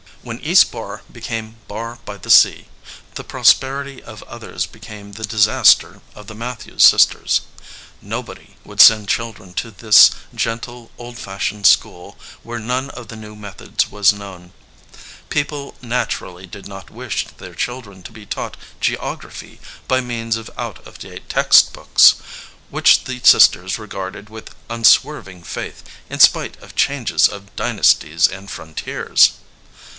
When East Barr became Barr by the Sea, the prosperity of others became the disaster of the Matthews sisters nobody would send children 75 EDGEWATER PEOPLE to this gentle, old fashioned school where none of the new methods was known. People naturally did not wish their children to be taught geography by means of out of date text books, which the sis ters regarded with unswerving faith in spite of changes of dynasties and frontiers.